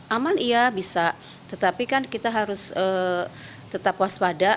aman iya bisa tetapi kan kita harus tetap waspada